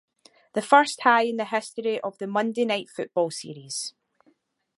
The first tie in the history of the "Monday Night Football" series.